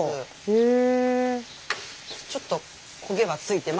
へえ。